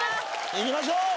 いきましょう。